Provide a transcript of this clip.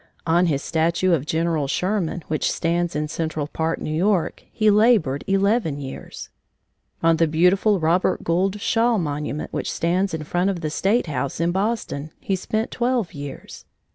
On his statue of General Sherman which stands in Central Park, New York, he labored eleven years. On the beautiful Robert Gould Shaw monument which stands in front of the State House in Boston, he spent twelve years.